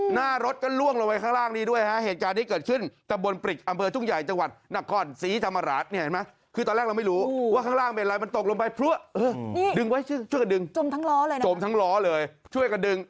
หน้ารถก็ร่วงลงไปข้างล่างด้วยฮะ